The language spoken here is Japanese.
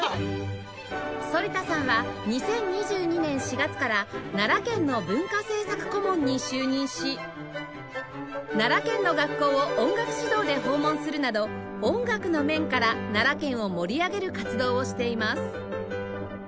反田さんは２０２２年４月から奈良県の文化政策顧問に就任し奈良県の学校を音楽指導で訪問するなど音楽の面から奈良県を盛り上げる活動をしています